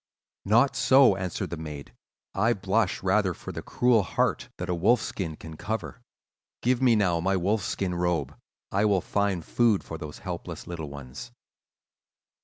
"'Not so,' answered the maid; 'I blush rather for the cruel heart that a wolf skin can cover. Give me now my wolf skin robe: I will find food for those helpless little ones.